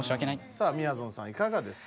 さあみやぞんさんいかがですか？